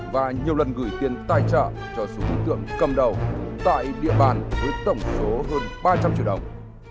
và nhiều lần gửi tiền tài trợ cho số đối tượng cầm đầu tại địa bàn với tổng số hơn ba trăm linh triệu đồng